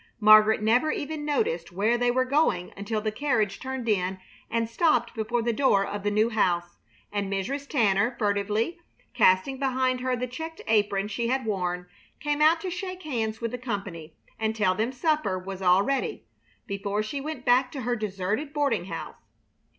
Margaret never even noticed where they were going until the carriage turned in and stopped before the door of the new house, and Mrs. Tanner, furtively casting behind her the checked apron she had worn, came out to shake hands with the company and tell them supper was all ready, before she went back to her deserted boarding house.